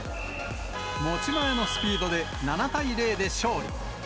持ち前のスピードで７対０で勝利。